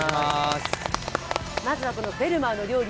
まずは「フェルマーの料理」